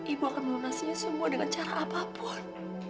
ibu akan melunasinya semua dengan cara apapun